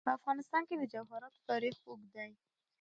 په افغانستان کې د جواهرات تاریخ اوږد دی.